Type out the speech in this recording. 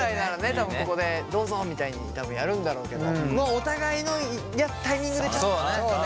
多分ここでどうぞみたいにやるんだろうけどお互いのタイミングでちょっとね。